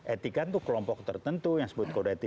etika itu kelompok tertentu yang disebut kode etik